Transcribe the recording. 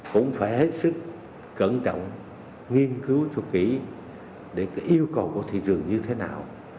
cũng phải hết sức cẩn trọng nghiên cứu cho kỹ để yêu cầu của thị trường như thế nào